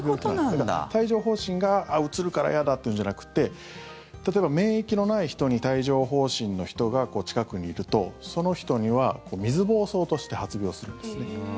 だから、帯状疱疹がうつるから嫌だというんじゃなくて例えば、免疫のない人に帯状疱疹の人が近くにいるとその人には水疱瘡として発病するんですね。